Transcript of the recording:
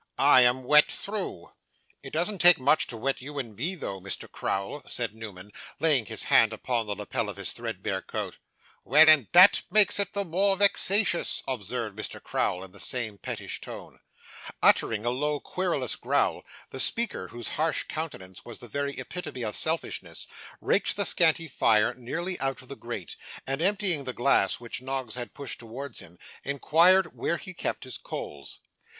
'I am wet through.' 'It doesn't take much to wet you and me through, Mr. Crowl,' said Newman, laying his hand upon the lappel of his threadbare coat. 'Well; and that makes it the more vexatious,' observed Mr. Crowl, in the same pettish tone. Uttering a low querulous growl, the speaker, whose harsh countenance was the very epitome of selfishness, raked the scanty fire nearly out of the grate, and, emptying the glass which Noggs had pushed towards him, inquired where he kept his coals.